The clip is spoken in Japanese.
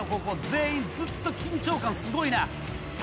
全員ずっと緊張感すごいな。